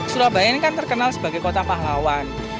surabaya ini kan terkenal sebagai kota pahlawan